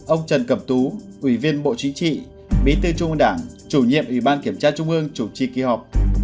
ông trần cẩm tú ủy viên bộ chính trị bí thư trung ương đảng chủ nhiệm ủy ban kiểm tra trung ương chủ trì kỳ họp